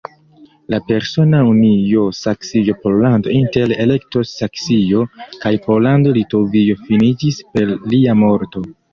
La persona unio Saksio-Pollando inter Elekto-Saksio kaj Pollando-Litovio finiĝis per lia morto.